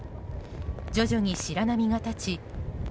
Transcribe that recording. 徐々に白波が立ち海